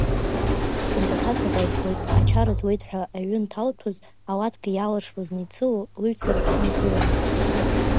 Сынтәа аҭаца даазгоит, ачара зуеит ҳәа аҩ инҭалҭәоз, ауатка иаалыршуаз неицыло, лыҩцара ҭәны игылан.